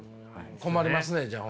困りますねじゃあ。